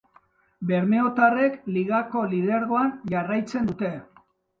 Bermeotarrek ligako lidergoan jarraitzen dute.